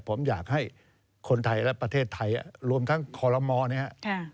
ผมอยากให้คนไทยและประเทศไทยรวมทั้งคอลมเนี่ย